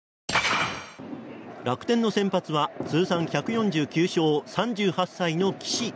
楽天の先発は通算１４９勝、３８歳の岸。